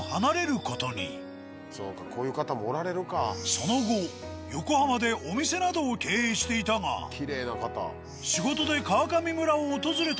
その後横浜でお店などを経営していたが仕事で川上村を訪れた